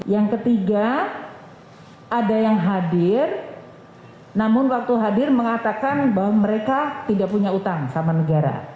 yang ketiga ada yang hadir namun waktu hadir mengatakan bahwa mereka tidak punya utang sama negara